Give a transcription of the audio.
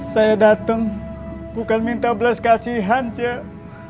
saya datang bukan minta belas kasihan cek